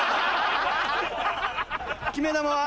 決め球は。